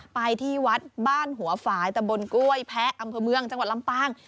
ไปที่วัดบ้านหัวฝ่ายตะบนกล้วยแพ้อำเภอเมืองจังหวัดลำปาง